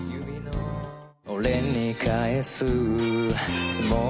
「俺に返すつもりならば」